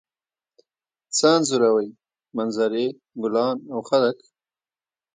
څه انځوروئ؟ منظرې، ګلان او خلک